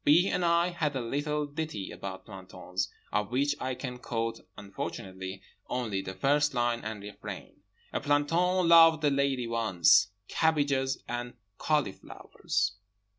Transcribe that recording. B. and I had a little ditty about plantons, of which I can quote (unfortunately) only the first line and refrain: "A planton loved a lady once (Cabbages and cauliflowers!)"